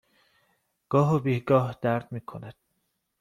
گاه و بیگاه درد می کند.